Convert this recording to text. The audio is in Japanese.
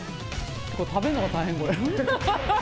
これ、食べるのが大変、これ。